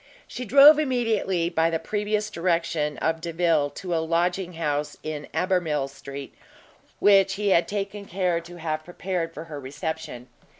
She drove immediately, by the previous direction of Delvile, to a lodging house in Albemarle Street, which he had taken care to have prepared for her reception.